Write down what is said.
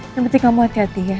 yang penting kamu hati hati ya